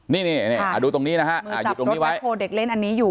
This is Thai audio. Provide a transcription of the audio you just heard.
นี่นี่นี่อ่าดูตรงนี้นะคะอ่าอยู่ตรงนี้ไว้มือจับรถแบล็คโคเด็กเล่นอันนี้อยู่